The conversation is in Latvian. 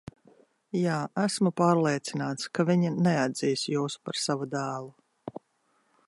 Jā, esmu pārliecināts, ka viņi neatzīs jūs par savu dēlu.